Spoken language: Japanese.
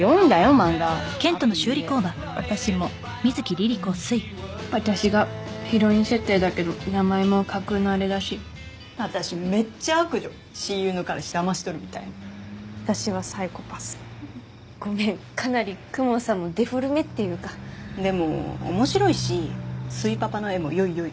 漫画アプリで私もうん私がヒロイン設定だけど名前も架空のあれだし私めっちゃ悪女親友の彼氏だまし取るみたいな私はサイコパスごめんかなり公文さんもデフォルメっていうかでも面白いしすいパパの絵もよいよい